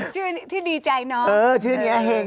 ชื่อที่ดีใจน้อง